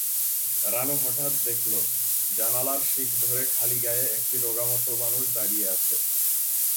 রানু হঠাৎ দেখল, জানালার শিক ধরে খালিগায়ে একটি রোগামতো মানুষ দাঁড়িয়ে আছে।